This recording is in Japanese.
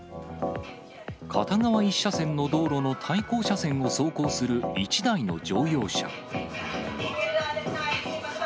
片側１車線の道路の対向車線を走行する１台の乗用車。